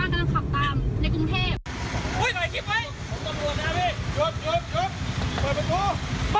ตอนนี้นะ